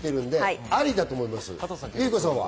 結子さんは？